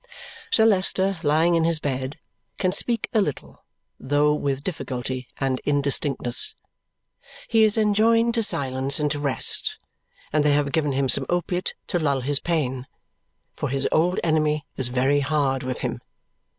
Sir Leicester, lying in his bed, can speak a little, though with difficulty and indistinctness. He is enjoined to silence and to rest, and they have given him some opiate to lull his pain, for his old enemy is very hard with him.